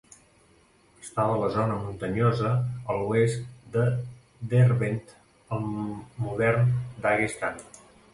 Estava a la zona muntanyosa a l'oest de Derbent al modern Daguestan.